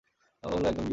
ও হলো একদম গিরগিটি।